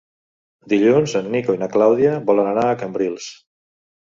Dilluns en Nico i na Clàudia volen anar a Cambrils.